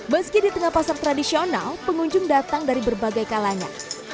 meski di tengah pasar tradisional pengunjung datang dari berbagai kalanya